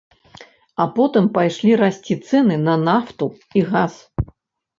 А потым пайшлі расці цэны на нафту і газ.